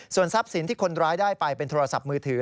ส่วนทรัพย์สินที่คนร้ายได้ไปเป็นโทรศัพท์มือถือ